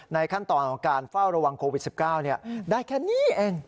ขั้นตอนของการเฝ้าระวังโควิด๑๙ได้แค่นี้เอง